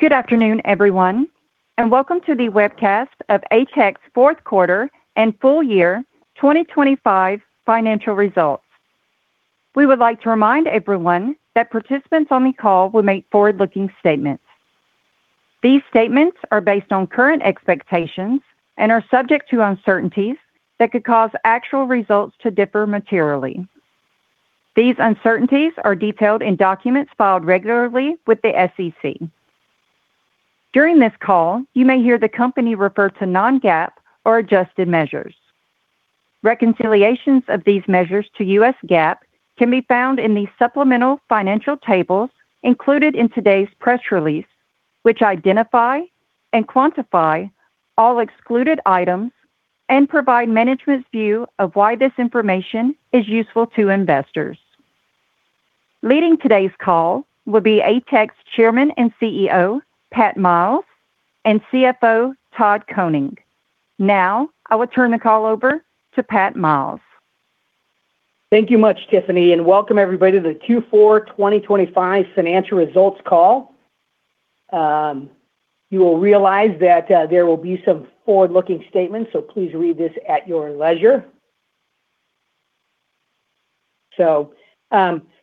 Good afternoon, everyone, and welcome to the webcast of ATEC's fourth quarter and full year 2025 financial results. We would like to remind everyone that participants on the call will make forward-looking statements. These statements are based on current expectations and are subject to uncertainties that could cause actual results to differ materially. These uncertainties are detailed in documents filed regularly with the SEC. During this call, you may hear the company refer to non-GAAP or adjusted measures. Reconciliations of these measures to U.S. GAAP can be found in the supplemental financial tables included in today's press release, which identify and quantify all excluded items and provide management's view of why this information is useful to investors. Leading today's call will be ATEC's Chairman and CEO, Pat Miles, and CFO, Todd Koning. Now, I will turn the call over to Pat Miles. Thank you much, Tiffany. Welcome everybody to the Q4 2025 financial results call. You will realize that there will be some forward-looking statements. Please read this at your leisure.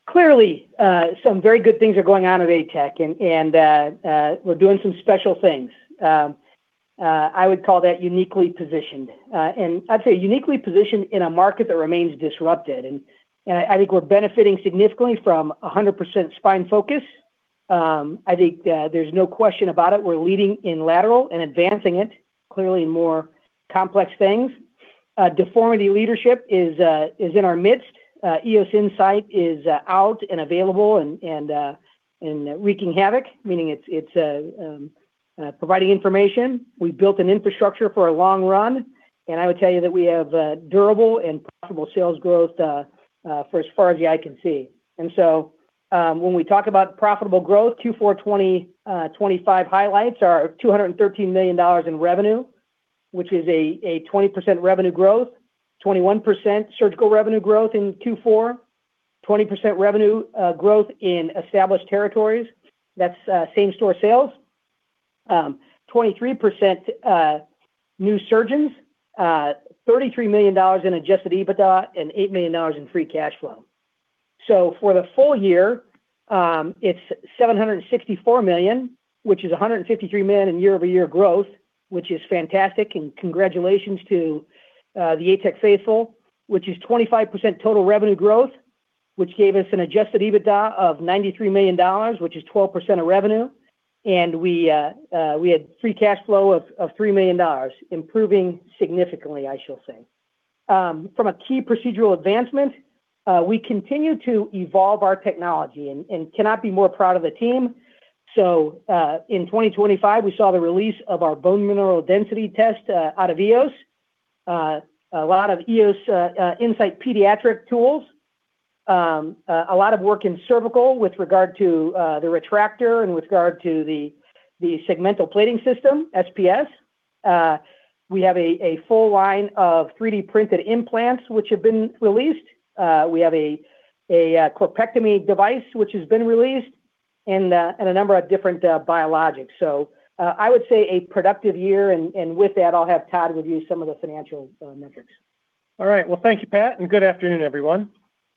Clearly, some very good things are going on at ATEC, and we're doing some special things. I would call that uniquely positioned. I'd say uniquely positioned in a market that remains disrupted, and I think we're benefiting significantly from a 100% spine focus. I think there's no question about it, we're leading in lateral and advancing it, clearly more complex things. Deformity leadership is in our midst. EOS Insight is out and available and wreaking havoc, meaning it's providing information. We've built an infrastructure for a long run. I would tell you that we have durable and profitable sales growth for as far as the eye can see. When we talk about profitable growth, Q4 2025 highlights are $213 million in revenue, which is a 20% revenue growth, 21% surgical revenue growth in Q4, 20% revenue growth in established territories. That's same-store sales. 23% new surgeons, $33 million in Adjusted EBITDA, and $8 million in free cash flow. For the full year, it's $764 million, which is $153 million in year-over-year growth, which is fantastic, and congratulations to the ATEC faithful, which is 25% total revenue growth, which gave us an Adjusted EBITDA of $93 million, which is 12% of revenue. We had free cash flow of $3 million, improving significantly, I shall say. From a key procedural advancement, we continue to evolve our technology and cannot be more proud of the team. In 2025, we saw the release of our bone mineral density test out of EOS. A lot of EOS Insight pediatric tools, a lot of work in cervical with regard to the retractor and with regard to the Segmental Plating System, SPS. We have a full line of 3D-printed implants which have been released. We have a corpectomy system, which has been released, and a number of different biologics. I would say a productive year, and with that, I'll have Todd review some of the financial metrics. All right. Well, thank you, Pat, and good afternoon, everyone.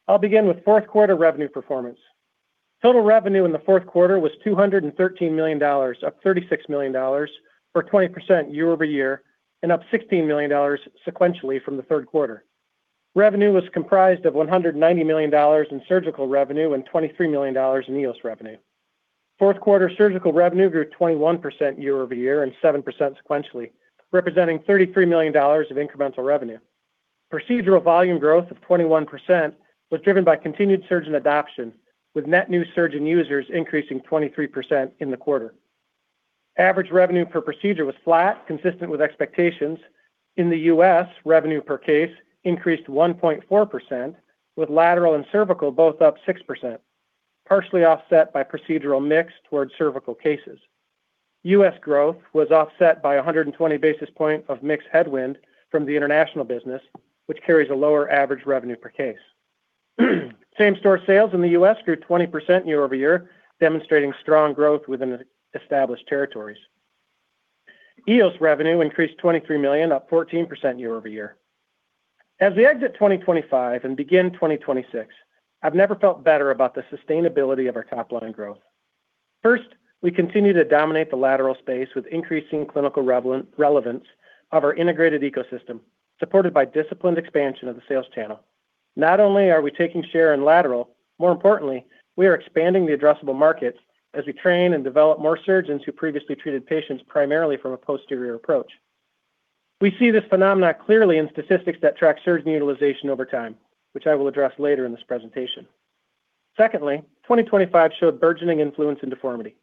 I'll begin with fourth quarter revenue performance. Total revenue in the fourth quarter was $213 million, up $36 million, or 20% year-over-year, and up $16 million sequentially from the third quarter. Revenue was comprised of $190 million in surgical revenue and $23 million in EOS revenue. Fourth quarter surgical revenue grew 21% year-over-year and 7% sequentially, representing $33 million of incremental revenue. Procedural volume growth of 21% was driven by continued surgeon adoption, with net new surgeon users increasing 23% in the quarter. Average revenue per procedure was flat, consistent with expectations. In the U.S. revenue per case increased 1.4%, with lateral and cervical both up 6%, partially offset by procedural mix towards cervical cases. U.S. growth was offset by 120 basis point of mix headwind from the international business, which carries a lower average revenue per case. Same-store sales in the U.S. grew 20% year-over-year, demonstrating strong growth within the established territories. EOS revenue increased $23 million, up 14% year-over-year. As we exit 2025 and begin 2026, I've never felt better about the sustainability of our top-line growth. First, we continue to dominate the lateral space with increasing clinical relevance of our integrated ecosystem, supported by disciplined expansion of the sales channel. Not only are we taking share in lateral, more importantly, we are expanding the addressable markets as we train and develop more surgeons who previously treated patients primarily from a posterior approach. We see this phenomenon clearly in statistics that track surgeon utilization over time, which I will address later in this presentation. Secondly, 2025 showed burgeoning influence in deformity.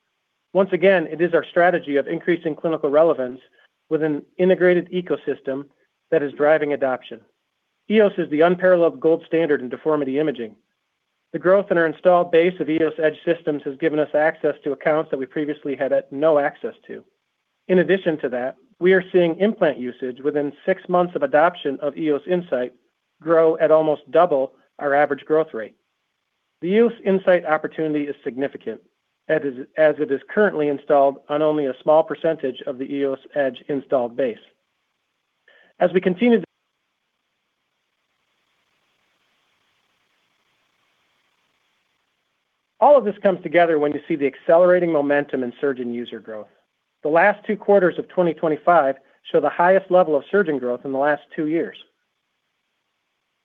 Once again, it is our strategy of increasing clinical relevance with an integrated ecosystem that is driving adoption. EOS is the unparalleled gold standard in deformity imaging. The growth in our installed base of EOS Edge systems has given us access to accounts that we previously had at no access to. In addition to that, we are seeing implant usage within six months of adoption of EOS Insight grow at almost double our average growth rate. The EOS Insight opportunity is significant, as it is currently installed on only a small percentage of the EOS Edge installed base. All of this comes together when you see the accelerating momentum in surgeon user growth. The last two quarters of 2025 show the highest level of surgeon growth in the last two years.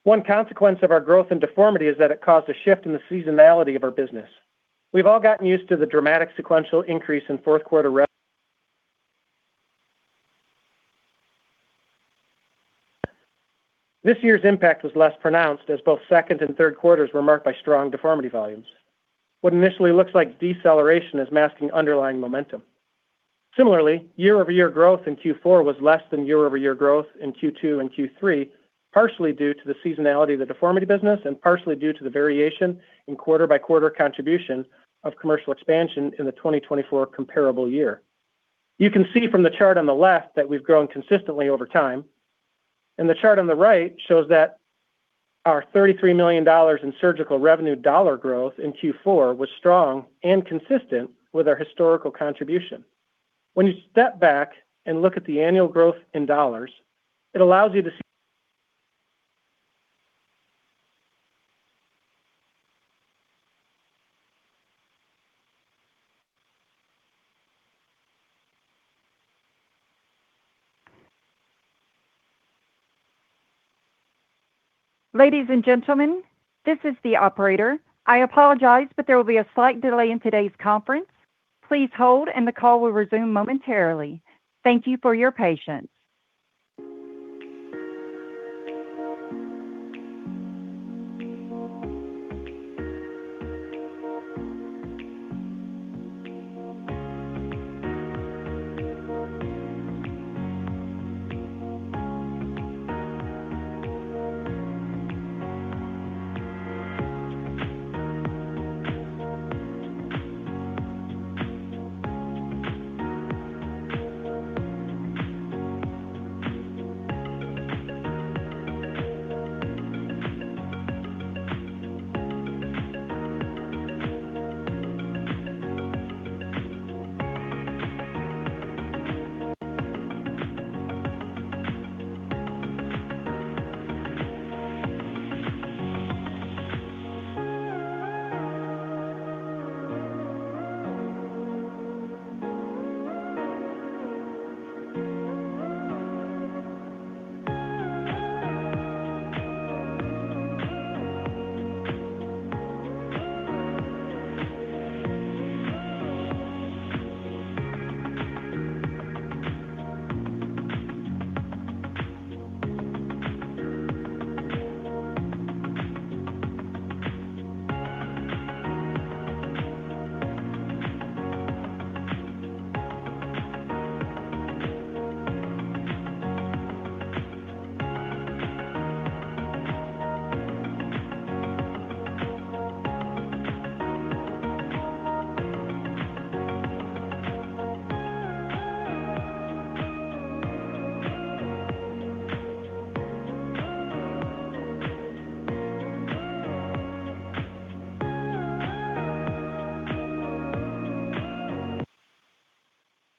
One consequence of our growth in deformity is that it caused a shift in the seasonality of our business. We've all gotten used to the dramatic sequential increase in fourth quarter. This year's impact was less pronounced, as both second and third quarters were marked by strong deformity volumes. What initially looks like deceleration is masking underlying momentum. Similarly, year-over-year growth in Q4 was less than year-over-year growth in Q2 and Q3, partially due to the seasonality of the deformity business and partially due to the variation in quarter-by-quarter contribution of commercial expansion in the 2024 comparable year. You can see from the chart on the left that we've grown consistently over time. The chart on the right shows that our $33 million in surgical revenue dollar growth in Q4 was strong and consistent with our historical contribution. When you step back and look at the annual growth in dollars, it allows you to see. Ladies and gentlemen, this is the operator. I apologize, but there will be a slight delay in today's conference. Please hold, and the call will resume momentarily. Thank you for your patience.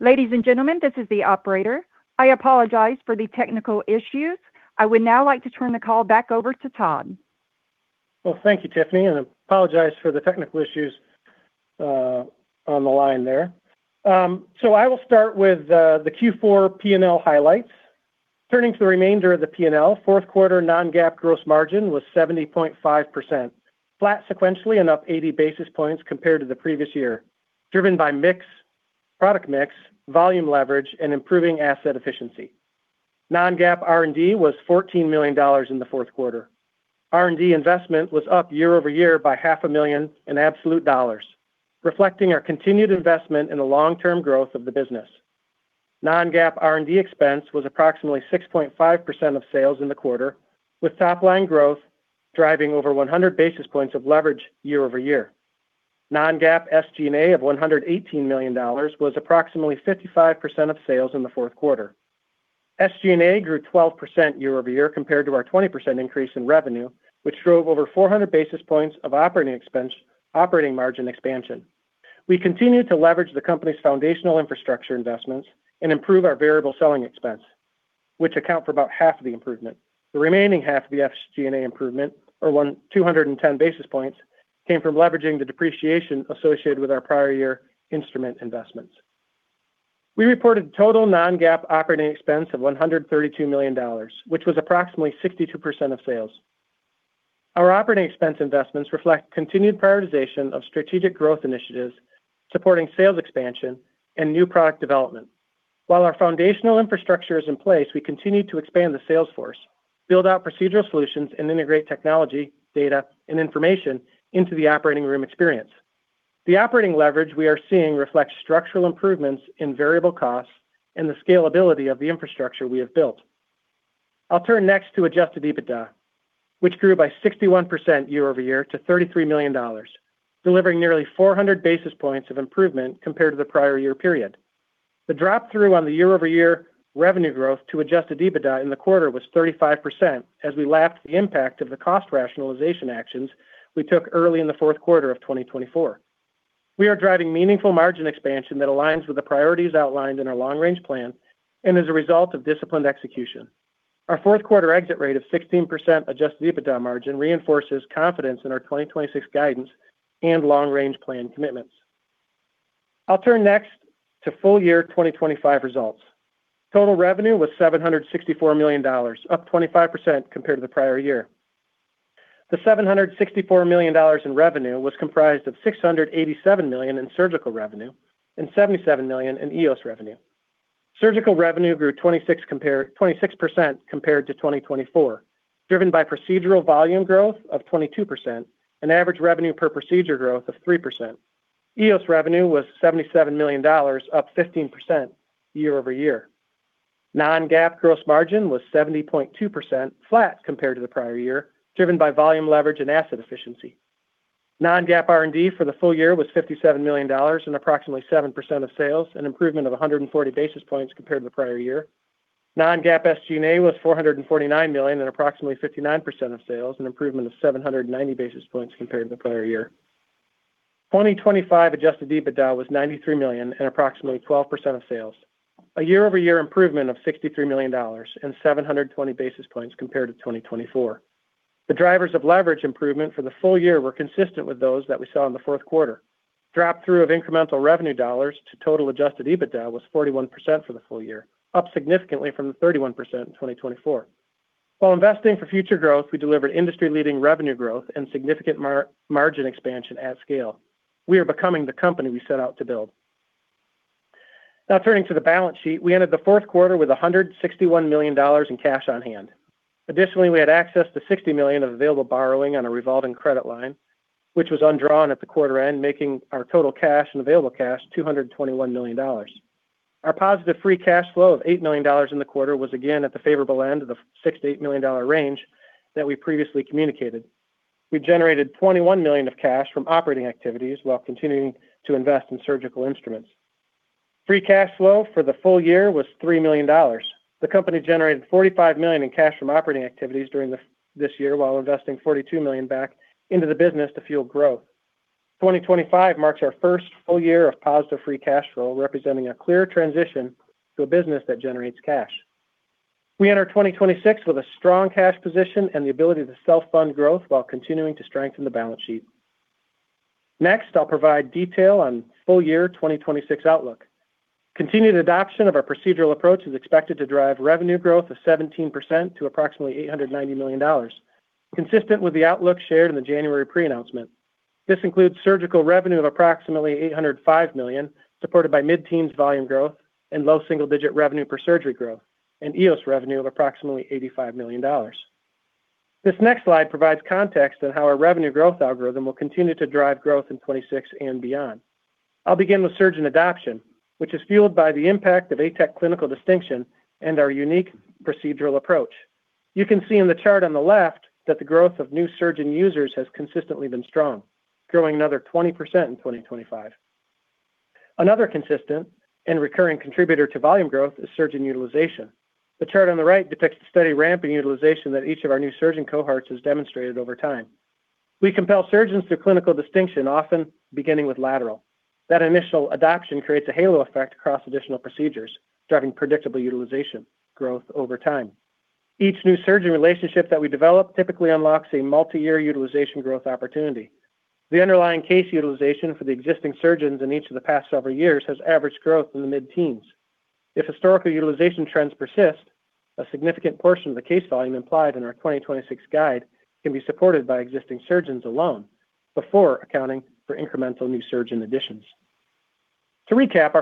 Ladies and gentlemen, this is the operator. I apologize for the technical issues. I would now like to turn the call back over to Todd. Well, thank you, Tiffany, and I apologize for the technical issues on the line there. I will start with the Q4 P&L highlights. Turning to the remainder of the P&L, fourth quarter non-GAAP gross margin was 70.5%, flat sequentially and up 80 basis points compared to the previous year, driven by mix, product mix, volume leverage, and improving asset efficiency. Non-GAAP R&D was $14 million in the fourth quarter. R&D investment was up year-over-year by half a million in absolute dollars, reflecting our continued investment in the long-term growth of the business. Non-GAAP R&D expense was approximately 6.5% of sales in the quarter, with top-line growth driving over 100 basis points of leverage year-over-year. Non-GAAP SG&A of $118 million was approximately 55% of sales in the fourth quarter. SG&A grew 12% year-over-year compared to our 20% increase in revenue, which drove over 400 basis points of operating margin expansion. We continued to leverage the company's foundational infrastructure investments and improve our variable selling expense, which account for about half of the improvement. The remaining half of the SG&A improvement, or 210 basis points, came from leveraging the depreciation associated with our prior year instrument investments. We reported total non-GAAP operating expense of $132 million, which was approximately 62% of sales. Our operating expense investments reflect continued prioritization of strategic growth initiatives, supporting sales expansion and new product development. Our foundational infrastructure is in place, we continue to expand the sales force, build out procedural solutions, and integrate technology, data, and information into the operating room experience. The operating leverage we are seeing reflects structural improvements in variable costs and the scalability of the infrastructure we have built. I'll turn next to Adjusted EBITDA, which grew by 61% year-over-year to $33 million, delivering nearly 400 basis points of improvement compared to the prior year period. The drop through on the year-over-year revenue growth to Adjusted EBITDA in the quarter was 35%, as we lapped the impact of the cost rationalization actions we took early in the fourth quarter of 2024. We are driving meaningful margin expansion that aligns with the priorities outlined in our long-range plan and as a result of disciplined execution. Our fourth quarter exit rate of 16% Adjusted EBITDA margin reinforces confidence in our 2026 guidance and long-range plan commitments. I'll turn next to full year 2025 results. Total revenue was $764 million, up 25% compared to the prior year. The $764 million in revenue was comprised of $687 million in surgical revenue and $77 million in EOS revenue. Surgical revenue grew 26% compared to 2024, driven by procedural volume growth of 22% and average revenue per procedure growth of 3%. EOS revenue was $77 million, up 15% year-over-year. Non-GAAP gross margin was 70.2%, flat compared to the prior year, driven by volume leverage and asset efficiency. Non-GAAP R&D for the full year was $57 million and approximately 7% of sales, an improvement of 140 basis points compared to the prior year. Non-GAAP SG&A was $449 million and approximately 59% of sales, an improvement of 790 basis points compared to the prior year. 2025 Adjusted EBITDA was $93 million and approximately 12% of sales, a year-over-year improvement of $63 million and 720 basis points compared to 2024. The drivers of leverage improvement for the full year were consistent with those that we saw in the fourth quarter. Drop through of incremental revenue dollars to total Adjusted EBITDA was 41% for the full year, up significantly from the 31% in 2024. While investing for future growth, we delivered industry-leading revenue growth and significant margin expansion at scale. We are becoming the company we set out to build. Turning to the balance sheet. We ended the fourth quarter with $161 million in cash on hand. Additionally, we had access to $60 million of available borrowing on a revolving credit line, which was undrawn at the quarter end, making our total cash and available cash $221 million. Our positive free cash flow of $8 million in the quarter was again at the favorable end of the $6 million-$8 million range that we previously communicated. We generated $21 million of cash from operating activities while continuing to invest in surgical instruments. Free cash flow for the full year was $3 million. The company generated $45 million in cash from operating activities during this year, while investing $42 million back into the business to fuel growth. 2025 marks our first full year of positive free cash flow, representing a clear transition to a business that generates cash. We enter 2026 with a strong cash position and the ability to self-fund growth while continuing to strengthen the balance sheet. Next, I'll provide detail on full year 2026 outlook. Continued adoption of our procedural approach is expected to drive revenue growth of 17% to approximately $890 million. Consistent with the outlook shared in the January pre-announcement, this includes surgical revenue of approximately $805 million, supported by mid-teens volume growth and low single-digit revenue per surgery growth, and EOS revenue of approximately $85 million. This next slide provides context on how our revenue growth algorithm will continue to drive growth in 2026 and beyond. I'll begin with surgeon adoption, which is fueled by the impact of ATEC clinical distinction and our unique procedural approach. You can see in the chart on the left that the growth of new surgeon users has consistently been strong, growing another 20% in 2025. Consistent and recurring contributor to volume growth is surgeon utilization. The chart on the right depicts the steady ramp in utilization that each of our new surgeon cohorts has demonstrated over time. We compel surgeons through clinical distinction, often beginning with lateral. Initial adoption creates a halo effect across additional procedures, driving predictable utilization growth over time. Each new surgeon relationship that we develop typically unlocks a multiyear utilization growth opportunity. The underlying case utilization for the existing surgeons in each of the past several years has averaged growth in the mid-teens. If historical utilization trends persist, a significant portion of the case volume implied in our 2026 guide can be supported by existing surgeons alone before accounting for incremental new surgeon additions. To recap,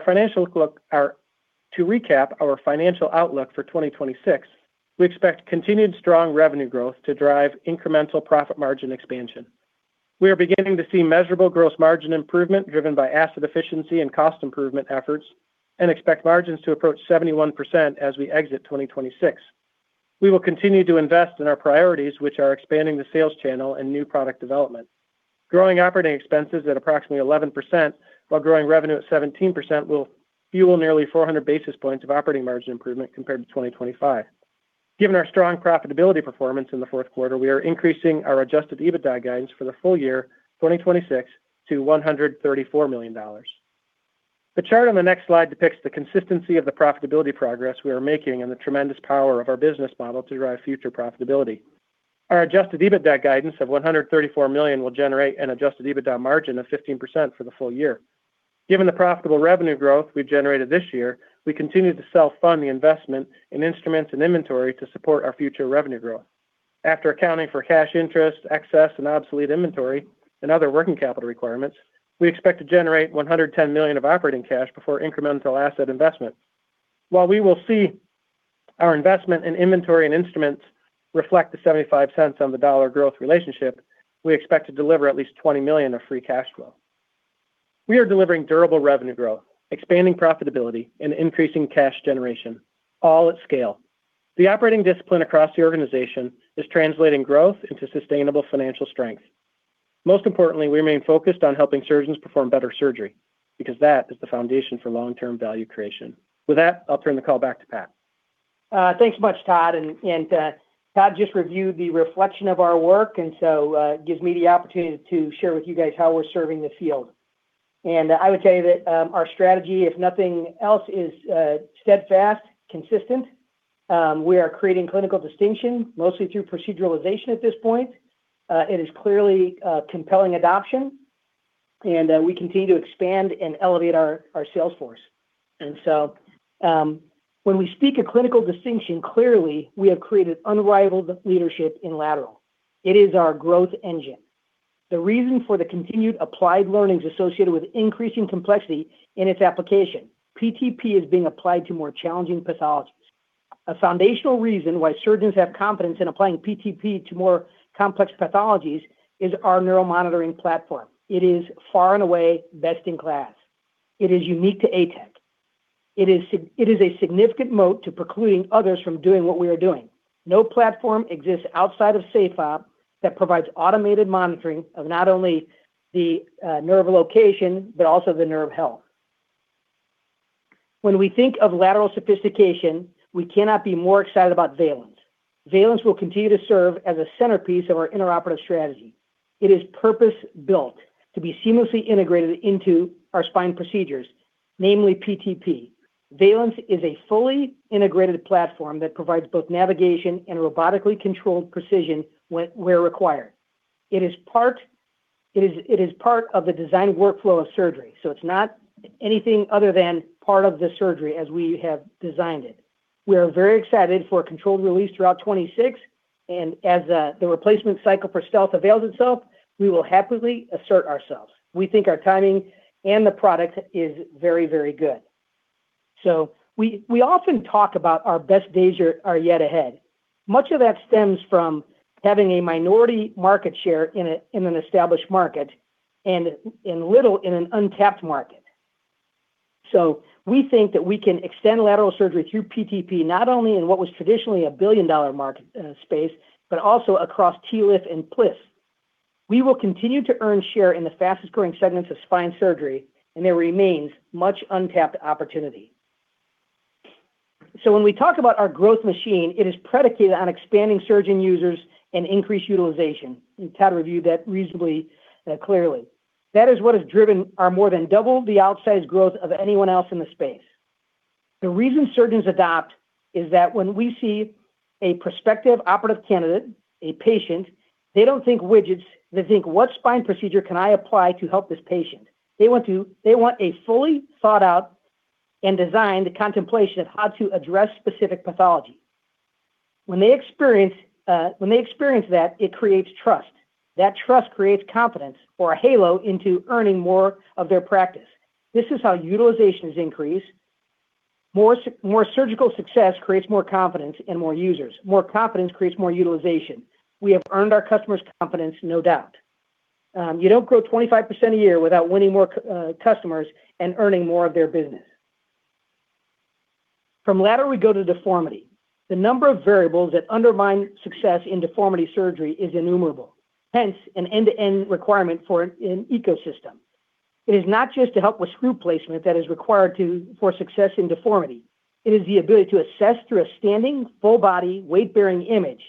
our financial outlook for 2026, we expect continued strong revenue growth to drive incremental profit margin expansion. We are beginning to see measurable gross margin improvement, driven by asset efficiency and cost improvement efforts, and expect margins to approach 71% as we exit 2026. We will continue to invest in our priorities, which are expanding the sales channel and new product development. Growing operating expenses at approximately 11%, while growing revenue at 17%, will fuel nearly 400 basis points of operating margin improvement compared to 2025. Given our strong profitability performance in the fourth quarter, we are increasing our Adjusted EBITDA guidance for the full year 2026 to $134 million. The chart on the next slide depicts the consistency of the profitability progress we are making and the tremendous power of our business model to drive future profitability. Our Adjusted EBITDA guidance of $134 million will generate an Adjusted EBITDA margin of 15% for the full year. Given the profitable revenue growth we've generated this year, we continue to self-fund the investment in instruments and inventory to support our future revenue growth. After accounting for cash interest, excess, and obsolete inventory and other working capital requirements, we expect to generate $110 million of operating cash before incremental asset investment. While we will see our investment in inventory and instruments reflect the $0.75 on the dollar growth relationship, we expect to deliver at least $20 million of free cash flow. We are delivering durable revenue growth, expanding profitability, and increasing cash generation, all at scale. The operating discipline across the organization is translating growth into sustainable financial strength. Most importantly, we remain focused on helping surgeons perform better surgery because that is the foundation for long-term value creation. With that, I'll turn the call back to Pat. Thanks much, Todd. Todd just reviewed the reflection of our work, gives me the opportunity to share with you guys how we're serving the field. I would tell you that our strategy, if nothing else, is steadfast, consistent. We are creating clinical distinction, mostly through proceduralization at this point. It is clearly a compelling adoption, we continue to expand and elevate our sales force. When we speak of clinical distinction, clearly, we have created unrivaled leadership in lateral. It is our growth engine. The reason for the continued applied learning is associated with increasing complexity in its application. PTP is being applied to more challenging pathologies. A foundational reason why surgeons have confidence in applying PTP to more complex pathologies is our neuromonitoring platform. It is far and away best in class. It is unique to ATEC. It is a significant moat to precluding others from doing what we are doing. No platform exists outside of SafeOp that provides automated monitoring of not only the nerve location, but also the nerve health. When we think of lateral sophistication, we cannot be more excited about Valence. Valence will continue to serve as a centerpiece of our intraoperative strategy. It is purpose-built to be seamlessly integrated into our spine procedures, namely PTP. Valence is a fully integrated platform that provides both navigation and robotically controlled precision when, where required. It is part of the designed workflow of surgery, so it's not anything other than part of the surgery as we have designed it. We are very excited for a controlled release throughout 26, and as the replacement cycle for Stealth avails itself, we will happily assert ourselves. We think our timing and the product is very, very good. We often talk about our best days are yet ahead. Much of that stems from having a minority market share in an established market and little in an untapped market. We think that we can extend lateral surgery through PTP, not only in what was traditionally a billion-dollar market space, but also across TLIF and PLIF. We will continue to earn share in the fastest-growing segments of spine surgery, there remains much untapped opportunity. When we talk about our growth machine, it is predicated on expanding surgeon users and increased utilization. Todd reviewed that reasonably clearly. That is what has driven our more than double the outsized growth of anyone else in the space. The reason surgeons adopt is that when we see a prospective operative candidate, a patient, they don't think widgets, they think: What spine procedure can I apply to help this patient? They want a fully thought out and designed contemplation of how to address specific pathology. When they experience that, it creates trust. That trust creates confidence or a halo into earning more of their practice. This is how utilization is increased. More surgical success creates more confidence and more users. More confidence creates more utilization. We have earned our customers' confidence, no doubt. You don't grow 25% a year without winning more customers and earning more of their business. From lateral, we go to deformity. The number of variables that undermine success in deformity surgery is innumerable, hence an end-to-end requirement for an ecosystem. It is not just to help with screw placement that is required for success in deformity. It is the ability to assess through a standing, full-body, weight-bearing image.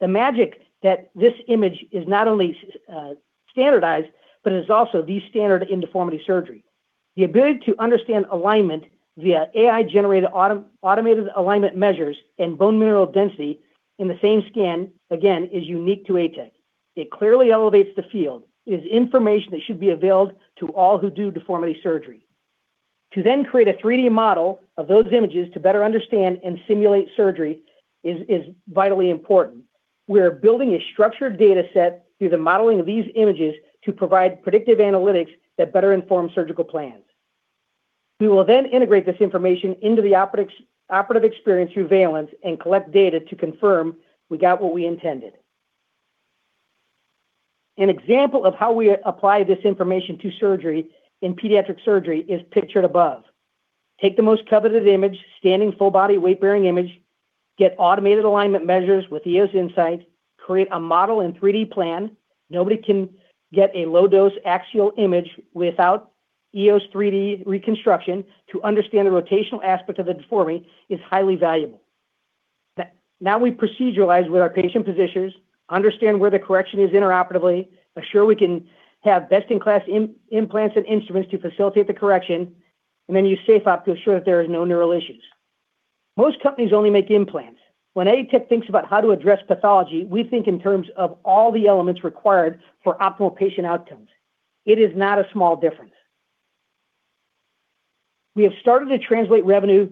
The magic that this image is not only standardized, but is also the standard in deformity surgery. The ability to understand alignment via AI-generated automated alignment measures and bone mineral density in the same scan, again, is unique to ATEC. It clearly elevates the field. It is information that should be available to all who do deformity surgery. Then create a 3D model of those images to better understand and simulate surgery is vitally important. We are building a structured data set through the modeling of these images to provide predictive analytics that better inform surgical plans. We will integrate this information into the operative experience through Valence and collect data to confirm we got what we intended. An example of how we apply this information to surgery in pediatric surgery is pictured above. Take the most coveted image, standing full body weight-bearing image, get automated alignment measures with EOS Insight, create a model and 3D plan. Nobody can get a low-dose axial image without EOS 3D reconstruction to understand the rotational aspect of the deformity is highly valuable. Now, we proceduralize with our patient positions, understand where the correction is intraoperatively, assure we can have best-in-class implants and instruments to facilitate the correction, and use SafeOp to ensure that there is no neural issues. Most companies only make implants. ATEC thinks about how to address pathology, we think in terms of all the elements required for optimal patient outcomes. It is not a small difference. We have started to translate revenue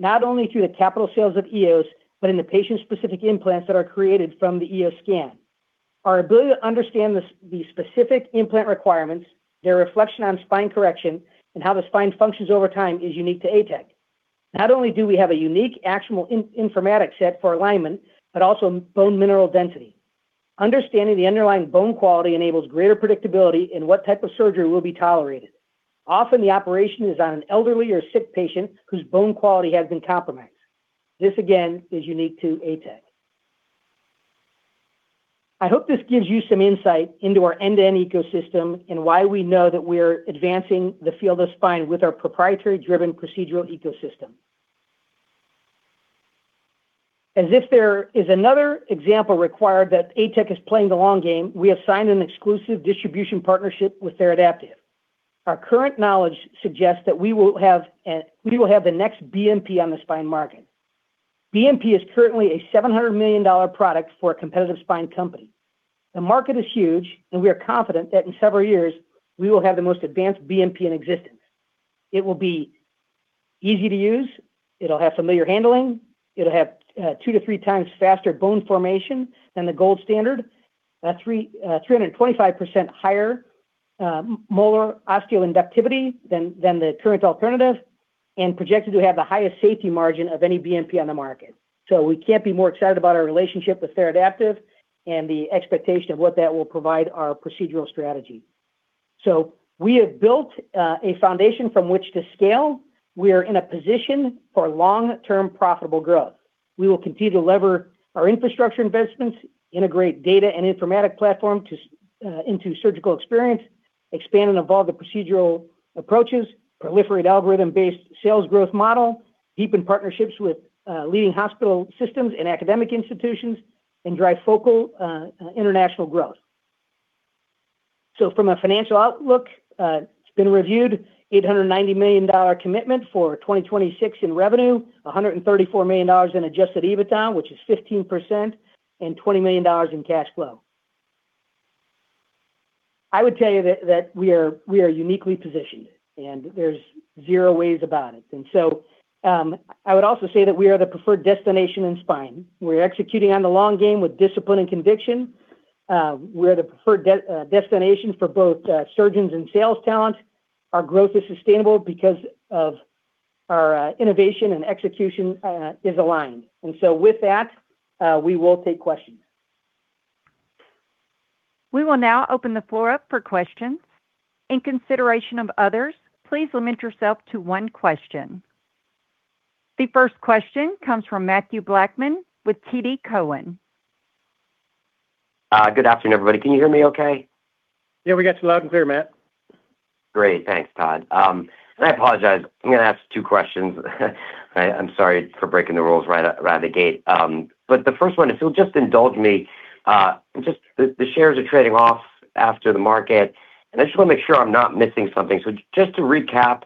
not only through the capital sales of EOS, but in the patient-specific implants that are created from the EOS scan. Our ability to understand the specific implant requirements, their reflection on spine correction, and how the spine functions over time is unique to ATEC. Not only do we have a unique, actionable informatics set for alignment, but also bone mineral density. Understanding the underlying bone quality enables greater predictability in what type of surgery will be tolerated. Often, the operation is on an elderly or sick patient whose bone quality has been compromised. This again is unique to ATEC. I hope this gives you some insight into our end-to-end ecosystem and why we know that we are advancing the field of spine with our proprietary-driven procedural ecosystem. As if there is another example required that ATEC is playing the long game, we have signed an exclusive distribution partnership with Theradaptive. Our current knowledge suggests that we will have the next BMP on the spine market. BMP is currently a $700 million product for a competitive spine company. The market is huge, and we are confident that in several years we will have the most advanced BMP in existence. It will be easy to use, it'll have familiar handling, it'll have 2x to 3x faster bone formation than the gold standard, 325% higher molar osteoinductivity than the current alternative, and projected to have the highest safety margin of any BMP on the market. We can't be more excited about our relationship with Theradaptive and the expectation of what that will provide our procedural strategy. We have built a foundation from which to scale. We are in a position for long-term profitable growth. We will continue to lever our infrastructure investments, integrate data and informatic platform into surgical experience, expand and evolve the procedural approaches, proliferate algorithm-based sales growth model, deepen partnerships with leading hospital systems and academic institutions, and drive focal international growth. From a financial outlook, it's been reviewed, a $890 million commitment for 2026 in revenue, a $134 million in Adjusted EBITDA, which is 15%, and $20 million in cash flow. I would tell you that we are uniquely positioned, and there's zero ways about it. I would also say that we are the preferred destination in spine. We're executing on the long game with discipline and conviction. We're the preferred destination for both surgeons and sales talent. Our growth is sustainable because of our innovation, and execution is aligned. With that, we will take questions. We will now open the floor up for questions. In consideration of others, please limit yourself to one question. The first question comes from Mathew Blackman with TD Cowen. Good afternoon, everybody. Can you hear me okay? Yeah, we got you loud and clear, Matt. Great. Thanks, Todd. I apologize. I'm gonna ask two questions. I'm sorry for breaking the rules right out of the gate. The first one, if you'll just indulge me, just the shares are trading off after the market, and I just wanna make sure I'm not missing something. Just to recap,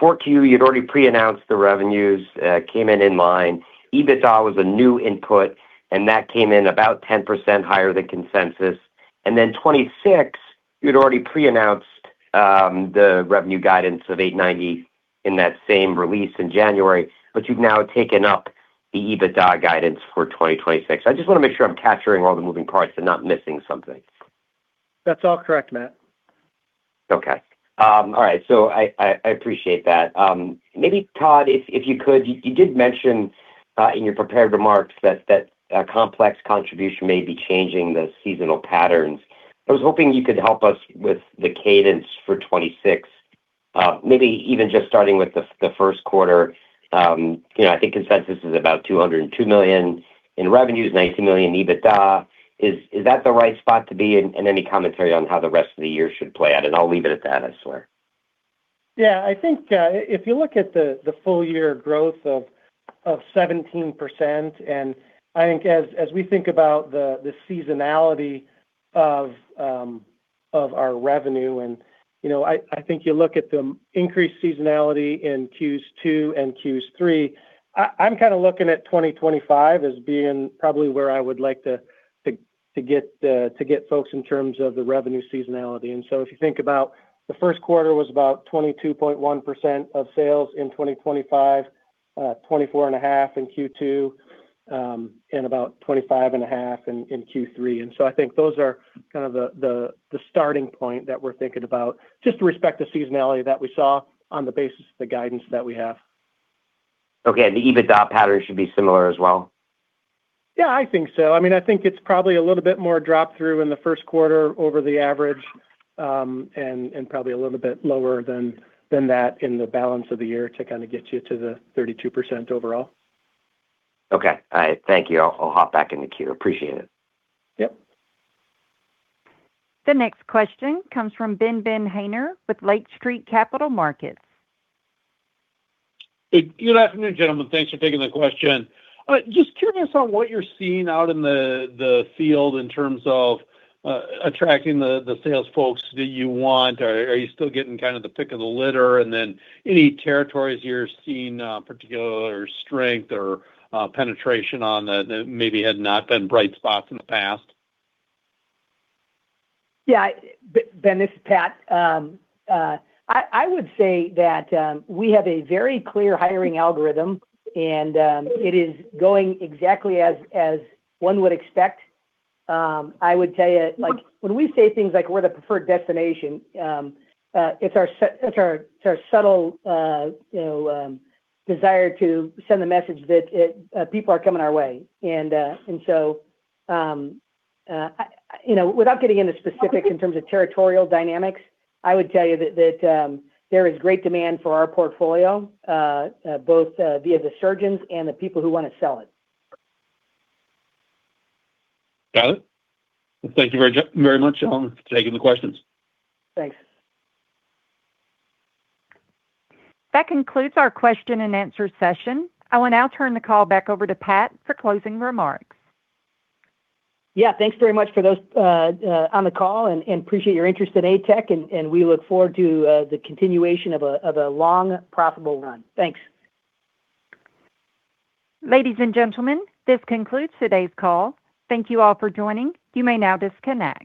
4Q, you'd already pre-announced the revenues, came in in line. EBITDA was a new input, and that came in about 10% higher than consensus. Then 2026, you'd already pre-announced the revenue guidance of $890 in that same release in January, but you've now taken up the EBITDA guidance for 2026. I just wanna make sure I'm capturing all the moving parts and not missing something. That's all correct, Matt. Okay. All right. I, I appreciate that. Maybe, Todd, if you could, you did mention in your prepared remarks that, complex contribution may be changing the seasonal patterns. I was hoping you could help us with the cadence for 2026, maybe even just starting with the first quarter. You know, I think consensus is about $202 million in revenues, $90 million in EBITDA. Is, is that the right spot to be, and any commentary on how the rest of the year should play out? I'll leave it at that, I swear. I think, if you look at the full year growth of 17%, I think as we think about the seasonality of our revenue, you know, I think you look at the increased seasonality in Q2 and Q3, I'm kinda looking at 2025 as being probably where I would like to get folks in terms of the revenue seasonality. If you think about the first quarter was about 22.1% of sales in 2025, 24.5% in Q2, and about 25.5% in Q3. I think those are kind of the starting point that we're thinking about, just to respect the seasonality that we saw on the basis of the guidance that we have. Okay, the EBITDA pattern should be similar as well? Yeah, I think so. I mean, I think it's probably a little bit more drop through in the first quarter over the average, and probably a little bit lower than that in the balance of the year to kinda get you to the 32% overall. Okay. All right. Thank you. I'll hop back in the queue. Appreciate it. Yep. The next question comes from Ben Haynor with Lake Street Capital Markets. Hey, good afternoon, gentlemen. Thanks for taking the question. Just curious on what you're seeing out in the field in terms of attracting the sales folks that you want. Are you still getting kind of the pick of the litter? Any territories you're seeing, particular strength or penetration on that that maybe had not been bright spots in the past? Yeah. Ben, this is Pat. I would say that we have a very clear hiring algorithm, and it is going exactly as one would expect. I would tell you, like, when we say things like we're the preferred destination, it's our subtle, you know, desire to send the message that people are coming our way. You know, without getting into specifics in terms of territorial dynamics, I would tell you that there is great demand for our portfolio, both via the surgeons and the people who wanna sell it. Got it. Thank you very much for taking the questions. Thanks. That concludes our question and answer session. I will now turn the call back over to Pat for closing remarks. Yeah, thanks very much for those on the call, and appreciate your interest in ATEC, and we look forward to the continuation of a long, profitable run. Thanks. Ladies and gentlemen, this concludes today's call. Thank you all for joining. You may now disconnect.